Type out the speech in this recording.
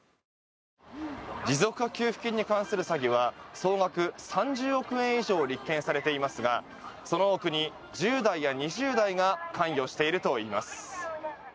持続化給付金に関する詐欺は総額３０億円以上が立件されていますがその多くに１０代や２０代が関与しているといいます。